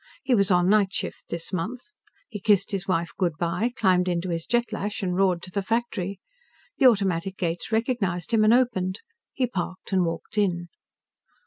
He was on night shift this month. He kissed his wife good by, climbed into his Jet lash and roared to the factory. The automatic gates recognized him and opened. He parked and walked in.